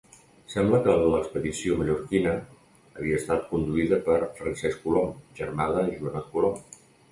Sembla que l'expedició mallorquina havia estat conduïda per Francesc Colom, germà de Joanot Colom.